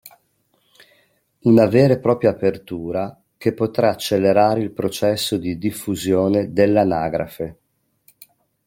Una vera e propria apertura, che potrà accelerare il processo di diffusione dell'anagrafe.